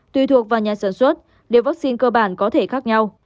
tùy thuộc vào nhà sản xuất điều vắc xin cơ bản có thể khác nhau